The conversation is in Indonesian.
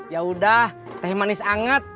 ya udah teh manis anget